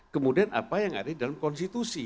kemudian apa yang ada di dalam konstitusi